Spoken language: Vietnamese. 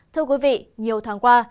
thưa quý vị nhiều tháng qua